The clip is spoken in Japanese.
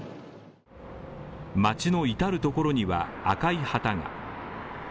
街の至るところには赤い旗が。